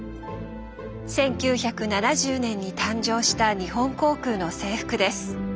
１９７０年に誕生した日本航空の制服です。